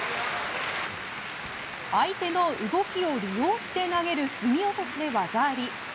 相手の動きを利用して投げるすみ落としで技あり。